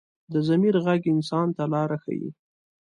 د ضمیر غږ انسان ته لاره ښيي